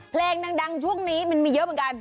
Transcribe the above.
เพลงดังช่วงนี้มันมีเยอะเหมือนกัน